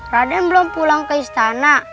raden belum pulang ke istana